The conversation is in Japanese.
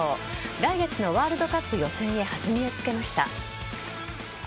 来月のワールドカップ予選へ弾みをつけました。